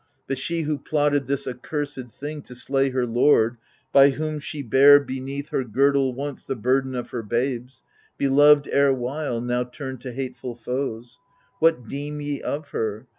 But she who plotted this accursed thing To slay her lord, by whom she bare beneath Her girdle once the burden of her babes, Beloved erewhile, now turned to hateful foes — What deem ye of her